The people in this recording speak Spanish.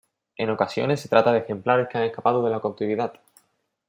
En ocasiones se trata de ejemplares que han escapado de la cautividad.